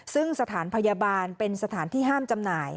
ซึ่งสถานพยาบาลเป็นสถานที่ห้ามจำหน่าย